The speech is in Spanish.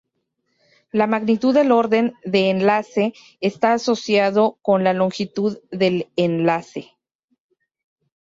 La magnitud del orden de enlace está asociado con la longitud del enlace.